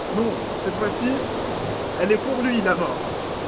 Non, cette fois-ci, elle est pour lui, la mort.